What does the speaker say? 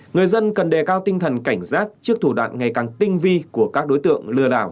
người dân cần đề cao tinh thần cảnh giác trước thủ đoạn ngày càng tinh vi của các đối tượng lừa đảo